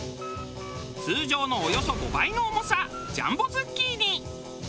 通常のおよそ５倍の重さジャンボズッキーニ。